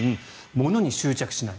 ものに執着しない。